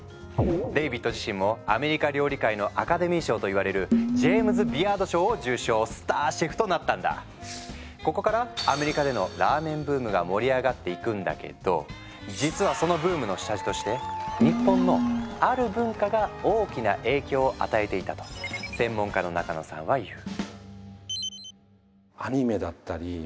デイビッド自身もアメリカ料理界のアカデミー賞といわれるここからアメリカでのラーメンブームが盛り上がっていくんだけど実はそのブームの下地として日本のある文化が大きな影響を与えていたと専門家の中野さんは言う。